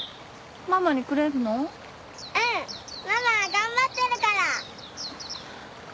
ママは頑張ってるから。